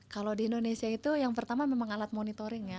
kalau di indonesia itu yang pertama memang alat monitoringnya